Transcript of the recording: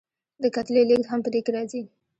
د کتلې لیږد هم په دې کې راځي.